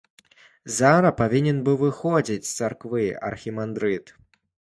Зара павінен быў выходзіць з царквы архімандрыт.